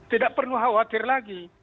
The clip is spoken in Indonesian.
tidak perlu khawatir lagi